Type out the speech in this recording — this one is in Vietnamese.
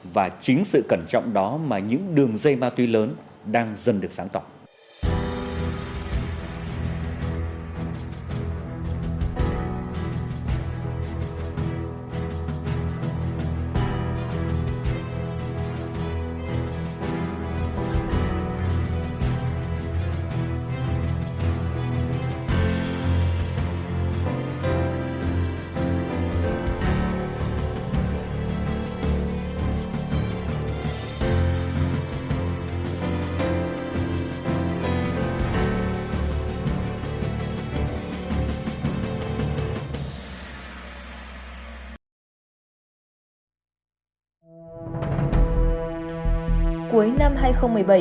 và chính sự cẩn trọng đó mà những đường dây ma túy lớn đang dần được sáng tỏng